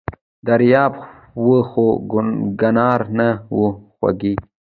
دریاب و خو کناره نه وه خوږې!